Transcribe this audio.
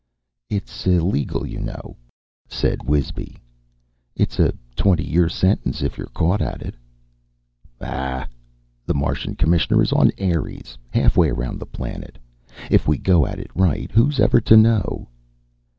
"It's illegal, you know," said Wisby. "It's a twenty year sentence if you're caught at it." "Bah! The Martian Commissioner is at Ares, halfway round the planet. If we go at it right, who's ever to know?"